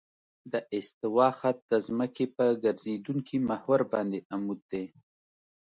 د استوا خط د ځمکې په ګرځېدونکي محور باندې عمود دی